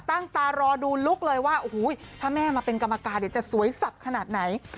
ตั้งตารอดูลุคเลยว่าโอ้โหถ้าแม่มาเป็นกรรมการจะสวยสับขนาดไหน